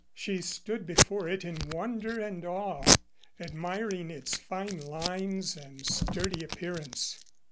She stood before it in wonder and awe, admiring its fine lines and sturdy appearance.